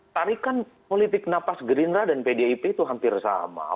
tarikan politik napas gerindra dan pdip itu hampir sama